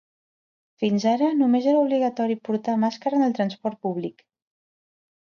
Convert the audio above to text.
Fins ara, només era obligatori portar màscara en el transport públic.